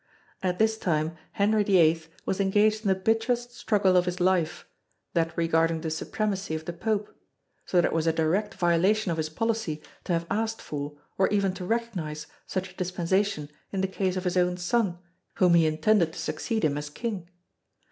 At this time Henry VIII was engaged in the bitterest struggle of his life, that regarding the supremacy of the Pope, so that it was a direct violation of his policy to have asked for, or even to recognise such a Dispensation in the case of his own son whom he intended to succeed him as King.